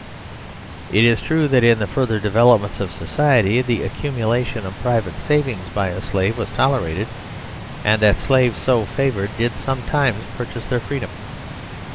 Itistruethat in the further developments of society the accumulation of private savings by a slave was tolerated and that slaves so favoured did sometimes purchase their freedom.